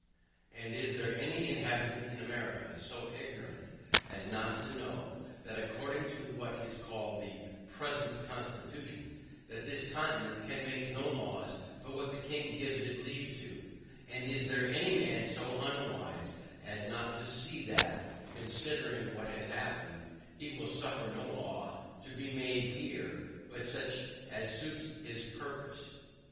And is there any inhabitant in America so ignorant, as not to know, that according to what is called the PRESENT CONSTITUTION, that this continent can make no laws but what the king gives it leave to; and is there any man so unwise, as not to see, that (considering what has happened) he will suffer no law to be made here, but such as suit HIS purpose.